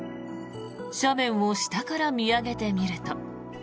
斜面を下から見上げてみると。